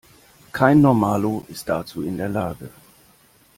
Kein Normalo ist dazu in der Lage.